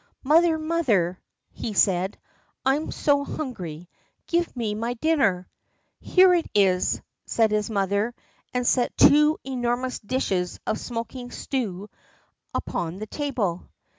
"Mother, mother," he said, "I am so hungry. Give me my dinner." "Here it is," said his mother, and set two enormous dishes of smoking stew upon the table.